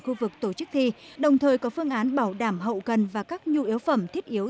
khu vực tổ chức thi đồng thời có phương án bảo đảm hậu cần và các nhu yếu phẩm thiết yếu